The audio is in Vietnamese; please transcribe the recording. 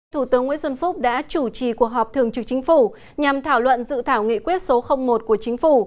thủ tướng nguyễn xuân phúc đã chủ trì cuộc họp thường trực chính phủ nhằm thảo luận dự thảo nghị quyết số một của chính phủ